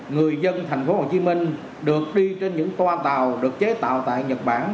người dân thành phố hồ chí minh được đi trên những toa tàu được chế tạo tại nhật bản